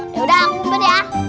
yaudah aku umpet ya